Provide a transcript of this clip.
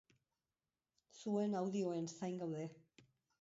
Zuen audioen zain gaude.